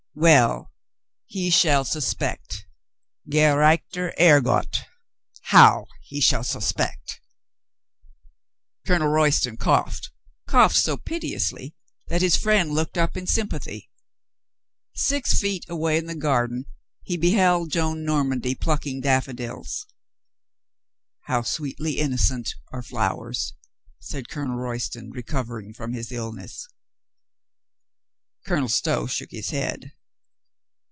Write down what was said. Well, he shall suspect. Gerechter Herrgott! How he shall suspect !" Colonel Royston coughed — coughed so piteously that his friend looked up in sympathy. Six feet away in the garden he beheld Joan Normandy plucking daffodils. "How sweetly innocent are flowers," said Colonel Royston, recovering from his illness. Colonel Stow shook his head.